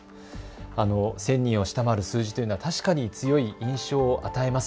１０００人を下回る数字店、確かに強い印象を与えます。